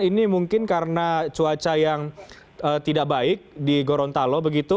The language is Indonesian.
ini mungkin karena cuaca yang tidak baik di gorontalo begitu